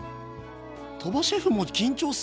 鳥羽シェフも緊張するの？